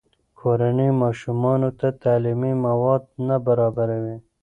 کورنۍ ماشومانو ته تعلیمي مواد نه برابروي.